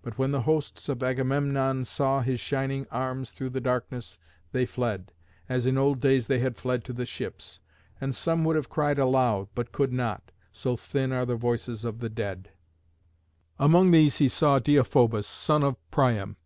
But when the hosts of Agamemnon saw his shining arms through the darkness, they fled, as in old days they had fled to the ships; and some would have cried aloud, but could not, so thin are the voices of the dead. [Illustration: ÆNEAS AND THE SHADE OF DIDO.] Among these he saw Deïphobus, son of Priam.